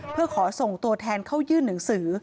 เพื่อขอส่งตัวแทนเข้ายื่นหนังสือ